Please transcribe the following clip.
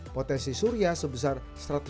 potensi surya sebesar satu ratus dua puluh watt